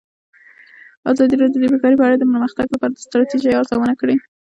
ازادي راډیو د بیکاري په اړه د پرمختګ لپاره د ستراتیژۍ ارزونه کړې.